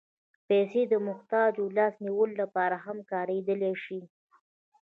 پېسې د محتاجو لاس نیولو لپاره هم کارېدای شي.